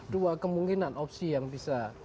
dua kemungkinan opsi yang bisa